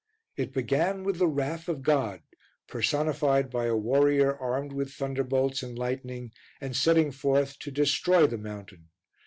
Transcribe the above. It began with the Wrath of God, personified by a warrior armed with thunderbolts and lightning and setting forth to destroy the mountain.